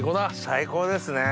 最高ですね。